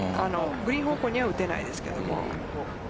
グリーン方向には打てないですけども。